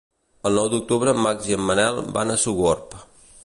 El nou d'octubre en Max i en Manel van a Sogorb.